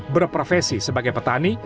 berprofesi sebagai petani